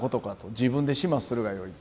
自分で始末するがよい。